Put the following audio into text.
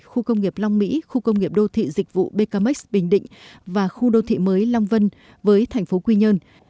khu công nghiệp long mỹ khu công nghiệp đô thị dịch vụ becamex bình định và khu đô thị mới long vân với thành phố quy nhơn